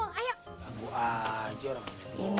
ganggu aja orang lain